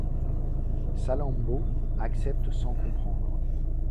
Salammbô accepte sans comprendre.